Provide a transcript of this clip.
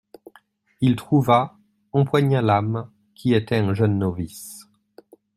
Il trouva, empoigna l'âme, qui était un jeune novice.